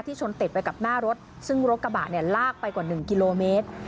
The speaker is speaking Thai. ที่ชนเต็บไปกับหน้ารถซึ่งรถกระบะลากไปกว่า๑กิโลเมตร